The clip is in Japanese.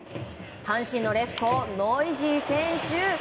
阪神のレフト、ノイジー選手。